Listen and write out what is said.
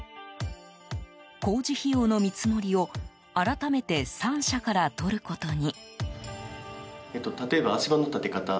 工事費用の見積もりを改めて３社からとることに。